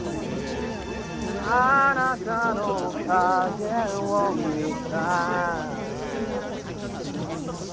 「あなたの影を見た」